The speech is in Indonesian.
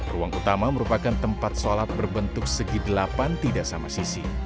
ruang utama merupakan tempat sholat berbentuk segi delapan tidak sama sisi